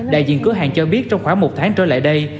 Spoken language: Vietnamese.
đại diện cửa hàng cho biết trong khoảng một tháng trở lại đây